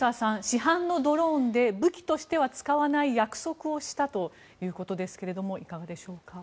市販のドローンで武器としては使わない約束をしたということですけれどもいかがでしょうか？